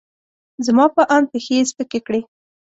زما په اند، پښې یې سپکې کړې.